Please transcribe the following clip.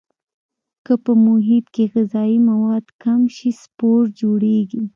که په محیط کې غذایي مواد کم شي سپور جوړوي.